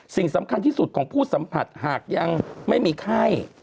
สิ่งสำคัญที่สุดของผู้สัมผัสหากยังไม่มีไข้